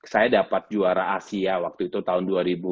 saya dapat juara asia waktu itu tahun dua ribu dua